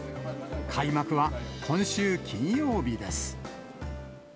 開幕は今週金曜日です。